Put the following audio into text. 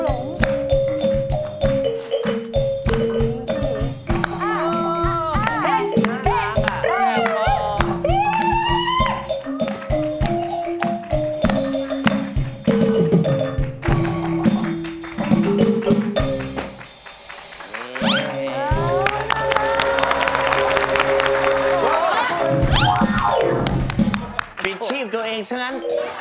โอ้โฮอ่อนช้อยเลย